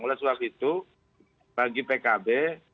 oleh sebab itu bagi pkb